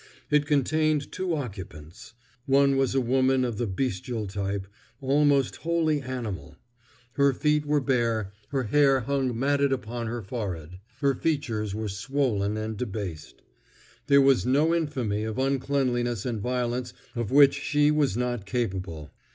It contained two occupants. One was a woman of the bestial type, almost wholly animal. Her feet were bare, her hair hung matted upon her forehead. Her features were swollen and debased. There was no infamy of uncleanness and violence of which she was not capable.